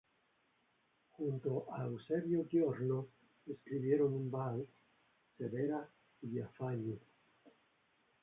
Junto a Eusebio Giorno escribieron un vals "Severa Villafañe".